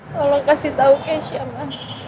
tolong kasih tahu kesya ma